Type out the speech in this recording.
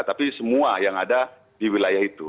tapi semua yang ada di wilayah itu